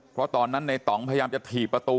เพราะตอนนั้นในต่องพยายามจะถีบประตู